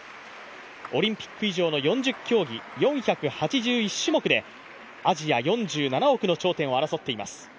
オリンピック以上の４０競技４８１種目でアジア４７億の頂点を争っています。